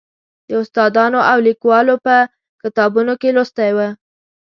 د استادانو او لیکوالو په کتابونو کې لوستی و.